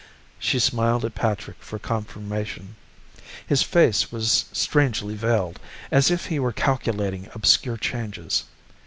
She smiled at Patrick for confirmation. His face was strangely veiled, as if he were calculating obscure changes.